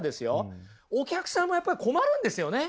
お客さんもやっぱり困るんですよね！